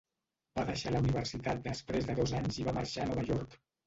Va deixar la universitat després de dos anys i va marxar a Nova York.